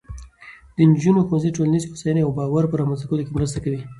د نجونو ښوونځی د ټولنیزې هوساینې او باور په رامینځته کولو کې مرسته کوي.